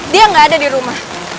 dia nggak ada di rumah